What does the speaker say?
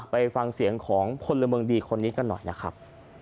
ไปฟังเสียงของพลเมืองดีคนนี้กันหน่อยนะครับ